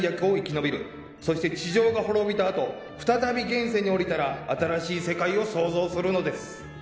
そして地上が滅びた後再び現世に降りたら新しい世界を創造するのです。